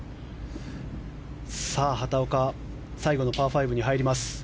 畑岡、最後のパー５に入ります。